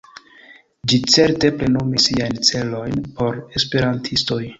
Ĝi certe plenumis siajn celojn por esperantistoj.